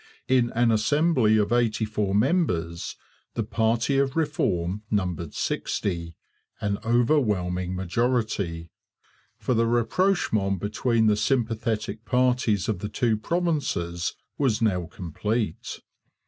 In an Assembly of eighty four members the party of Reform numbered sixty, an overwhelming majority; for the rapprochement between the sympathetic parties of the two provinces was now complete.